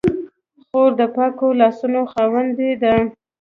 خور د پاکو لاسو خاوندې ده.